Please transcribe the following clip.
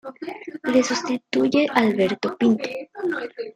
Le sustituye Alberto Pinto.